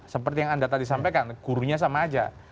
seperti yang anda tadi sampaikan gurunya sama aja